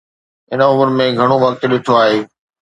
هن عمر ۾ گهڻو وقت ڏٺو آهي.